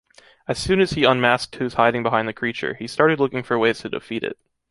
As soon as he unmasked who’s hiding behind the creature, he started looking for way to defeat it...